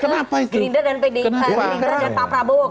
kenapa ke gerindra dan pak prabowo